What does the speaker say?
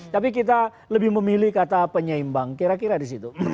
tapi kita lebih memilih kata penyeimbang kira kira disitu